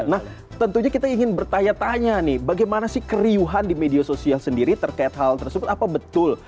nah tentunya kita ingin bertanya tanya nih bagaimana sih keriuhan di media sosial sendiri terkait hal tersebut apa betul